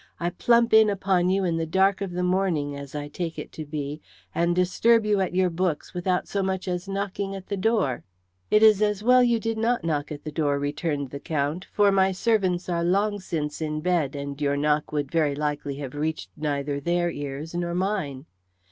I plump in upon you in the dark of the morning, as I take it to be, and disturb you at your books without so much as knocking at the door." "It is as well you did not knock at the door," returned the Count, "for my servants are long since in bed, and your knock would very likely have reached neither their ears nor mine."